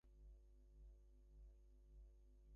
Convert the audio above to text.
However, the peace did not last for long.